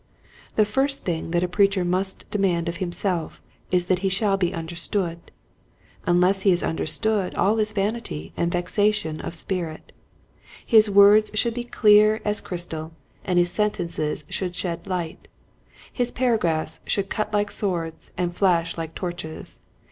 The first thing that a preacher must demand of himself is that he shall be understood. Unless he is understood all is vanity and vexation of spirit. His words should be clear as c/ 1/8 Quiet Hints to Growing Preachers. crystal and his sentences should shed light. His paragraphs should cut like swords and flash like torches.